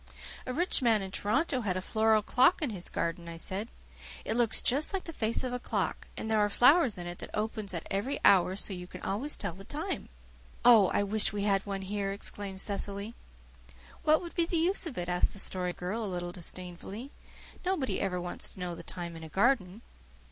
"A rich man in Toronto has a floral clock in his garden," I said. "It looks just like the face of a clock, and there are flowers in it that open at every hour, so that you can always tell the time." "Oh, I wish we had one here," exclaimed Cecily. "What would be the use of it?" asked the Story Girl a little disdainfully. "Nobody ever wants to know the time in a garden."